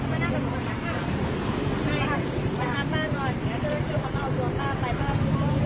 กระที่อันตรายกันละครับสุขเติ้ลอ่ะจริง